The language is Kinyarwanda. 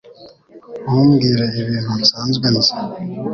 Ntumbwire ibintu nsanzwe nzi